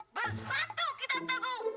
bersatu kita teguh